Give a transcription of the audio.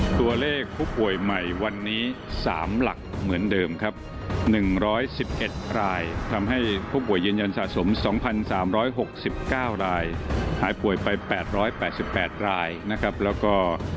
ตัวเลขผู้ป่วยใหม่วันนี้๓หลักเหมือนเดิมครับ๑๑๑รายทำให้ผู้ป่วยยืนยันสะสม๒๓๖๙รายหายป่วยไป๘๘รายนะครับแล้วก็